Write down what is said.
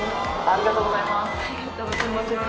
ありがとうございます。